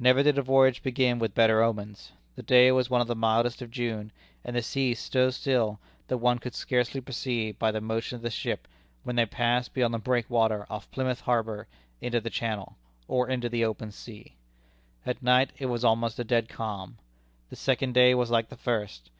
Never did a voyage begin with better omens. The day was one of the mildest of June, and the sea so still, that one could scarcely perceive, by the motion of the ship, when they passed beyond the breakwater off Plymouth harbor into the Channel, or into the open sea. At night, it was almost a dead calm. The second day was like the first.